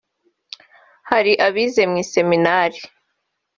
hari abize mu iseminari